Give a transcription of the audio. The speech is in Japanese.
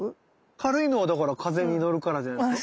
軽いのはだから風に乗るからじゃないですか？